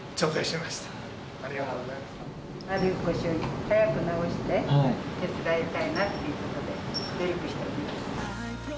悪い腰を早く治して、手伝いたいなってことで、努力しています。